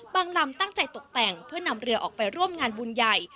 ลำตั้งใจตกแต่งเพื่อนำเรือออกไปร่วมงานบุญใหญ่